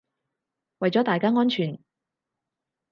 為咗大家安全